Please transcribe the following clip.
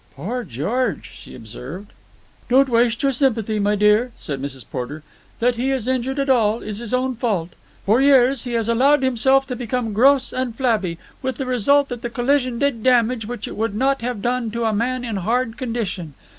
"Poor George!" she observed. "Don't waste your sympathy, my dear," said Mrs. Porter. "That he is injured at all is his own fault. For years he has allowed himself to become gross and flabby, with the result that the collision did damage which it would not have done to a man in hard condition.